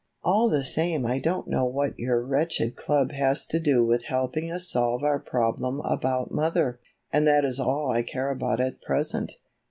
All the same I don't see what your wretched club has to do with helping us solve our problem about mother, and that is all I care about at present."